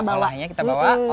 kita olahnya kita bawa ke rumah ya